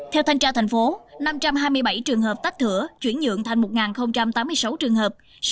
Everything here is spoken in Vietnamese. theo thanh tra thành phố năm trăm hai mươi bảy trường hợp tách thửa chuyển nhượng thành một tám mươi sáu trường hợp